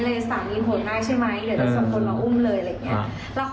สามีผลได้ใช่ไหมเดี๋ยวจะสองคนมาอุ้มเลยอะไรอย่างนี้